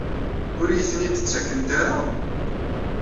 Ur iyi-ten-id-ttakent ara?